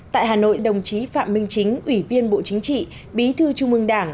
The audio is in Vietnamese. tại hà nội đồng chí phạm minh chính ủy viên bộ chính trị bí thư trung ương đảng